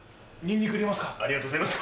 ありがとうございます。